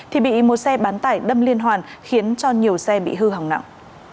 thì bị một xe bán tải đâm liên hoàn khiến cho nhiều xe bị hư hỏng nặng